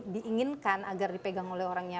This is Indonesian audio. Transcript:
diinginkan agar dipegang oleh orangnya